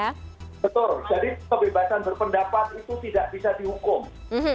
betul jadi kebebasan berpendapat itu tidak bisa dihukum